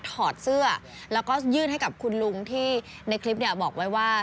ถอดเสื้อแล้วก็ยื่นให้กับคุณลุงที่ในคลิปเนี่ยบอกไว้ว่า